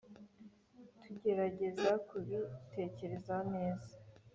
tuzagerageza kubitekereza neza